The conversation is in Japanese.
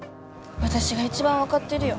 私が一番分かってるよ